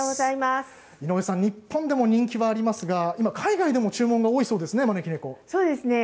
日本でも人気がありますが今海外でも注文が多いそうですね